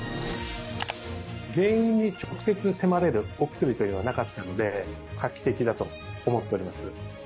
原因に直接迫れるお薬というのはなかったので、画期的だと思っております。